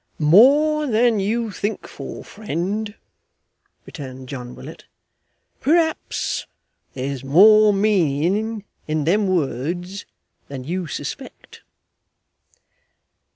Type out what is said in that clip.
'More than you think for, friend,' returned John Willet. 'Perhaps there's more meaning in them words than you suspect.